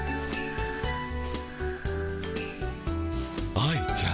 愛ちゃん。